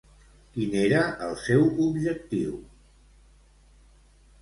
Quin era el seu objectiu?